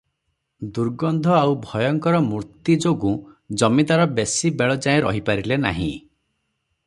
ଦୁର୍ଗନ୍ଧ ଆଉ ଭୟଙ୍କର ମୂର୍ତ୍ତି ଯୋଗୁଁ ଜମିଦାର ବେଶି ବେଳ ଯାଇ ରହିପାରିଲେ ନାହିଁ ।